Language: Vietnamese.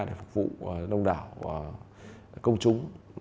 để phục vụ đông đảo và công chúng